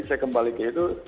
saya kembali ke itu